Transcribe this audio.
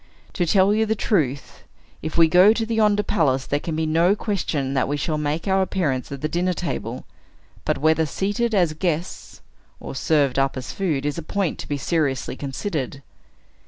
To tell you the truth, if we go to yonder palace, there can be no question that we shall make our appearance at the dinner table; but whether seated as guests, or served up as food, is a point to be seriously considered."